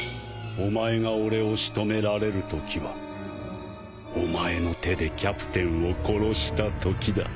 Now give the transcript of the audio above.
お前が俺を仕留められるときはお前の手でキャプテンを殺したときだ。